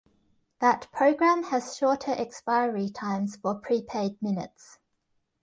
That program has shorter expiry times for prepaid minutes.